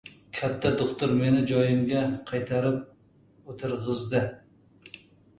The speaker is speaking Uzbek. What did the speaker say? Katta do‘xtir meni joyimga qaytarib o‘tirg‘izdi.